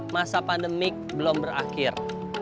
masa pandemik belum berakhir